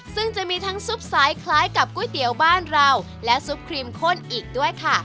ซึ่งจะมีทั้งซุปไซส์คล้ายกับก๋วยเตี๋ยวบ้านเราและซุปครีมข้นอีกด้วยค่ะ